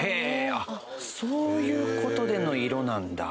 あっそういう事での色なんだ。